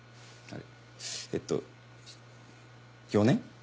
えっと４年？